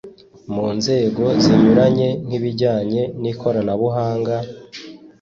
mu nzego zinyuranye nk'ibijyanye n'ikoranabuhanga,